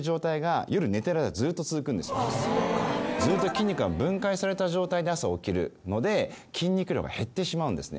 筋肉が分解された状態で朝起きるので筋肉量が減ってしまうんですね。